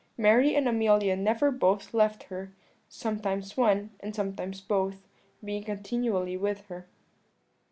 Mary and Amelia never both left her; sometimes one, and sometimes both, being continually with her."